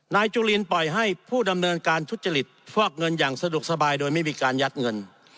จุลินปล่อยให้ผู้ดำเนินการทุจริตฟอกเงินอย่างสะดวกสบายโดยไม่มีการยัดเงิน